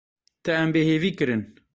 Te em bêhêvî kirin.